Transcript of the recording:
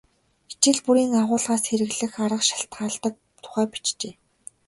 Хичээл бүрийн агуулгаас хэрэглэх арга шалтгаалдаг тухай бичжээ.